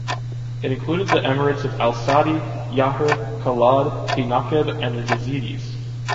It included the emirates of Al Saadi, Yaher, Kalad, Thi Nakheb and the Yezidis.